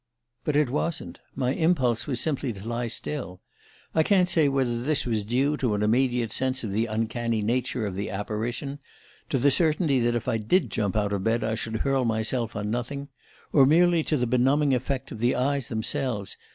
But it wasn't my impulse was simply to lie still ... I can't say whether this was due to an immediate sense of the uncanny nature of the apparition to the certainty that if I did jump out of bed I should hurl myself on nothing or merely to the benumbing effect of the eyes themselves.